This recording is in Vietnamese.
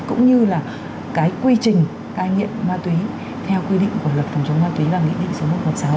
cũng như là cái quy trình cai nghiện ma túy theo quy định của luật phòng chống ma túy và nghị định số một trăm một mươi sáu